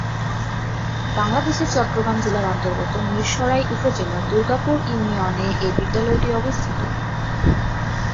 বাংলাদেশের চট্টগ্রাম জেলার অন্তর্গত মীরসরাই উপজেলার দুর্গাপুর ইউনিয়নে এ বিদ্যালয়টি অবস্থিত।